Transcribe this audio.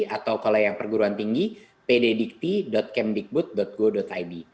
atau kalau yang perguruan tinggi pddikti kemdikbud go id